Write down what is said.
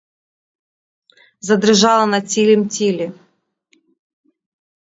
Задрижала на цілім тілі.